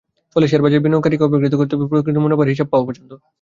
ফলে শেয়ারবাজারে বিনিয়োগকারীকে অপেক্ষা করতে হবে প্রকৃত মুনাফার হিসাব পাওয়া পর্যন্ত।